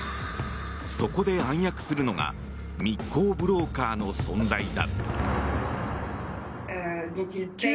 そこで暗躍するのが密航ブローカーの存在だ。